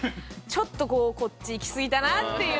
ちょっとこうこっちいきすぎたなという。